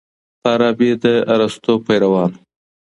فارابي د ارسطو پیروان و.